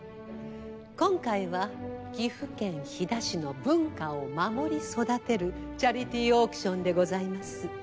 今回は岐阜県飛騨市の文化を守り育てるチャリティーオークションでございます。